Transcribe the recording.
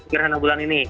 gerhana bulan ini